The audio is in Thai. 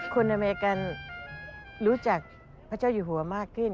อเมริกันรู้จักพระเจ้าอยู่หัวมากขึ้น